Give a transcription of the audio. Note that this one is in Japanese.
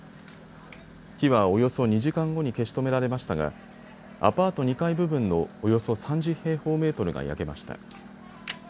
火はおよそ２時間後に消し止められましたがアパート２階部分のおよそ３０平方メートルが焼けました。